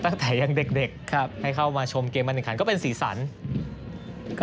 ตั้งแต่ยังเด็กให้เข้ามาชมเกมอันนึกันก็เป็นศรีสรรค์